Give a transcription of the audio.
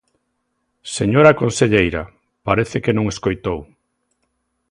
Señora conselleira, parece que non escoitou.